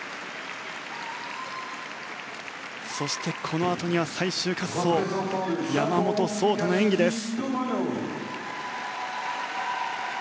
そしてこのあとには最終滑走山本草太の演技です。